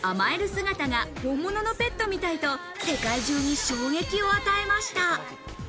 姿が本物のペットみたいと世界中に衝撃を与えました。